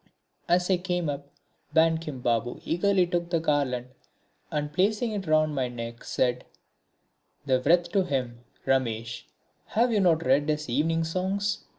As I came up Bankim Babu eagerly took the garland and placing it round my neck said: "The wreath to him, Ramesh, have you not read his Evening Songs?"